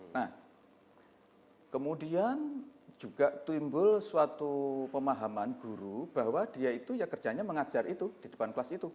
nah kemudian juga timbul suatu pemahaman guru bahwa dia itu ya kerjanya mengajar itu di depan kelas itu